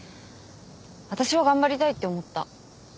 私は頑張りたいって思った。